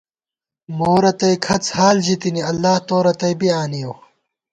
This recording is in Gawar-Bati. مو رتئ کھڅ حال ژِتِنی، اللہ تو رتئ بی آنِیَؤ